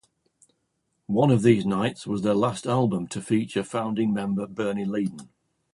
"One of These Nights" was their last album to feature founding member Bernie Leadon.